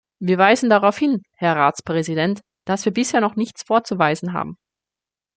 Wir weisen darauf hin, Herr Ratspräsident, dass wir bisher noch nichts vorzuweisen haben.